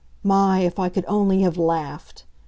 My, if I could only have laughed!